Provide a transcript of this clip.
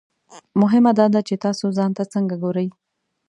مهمه دا ده چې تاسو ځان ته څنګه ګورئ.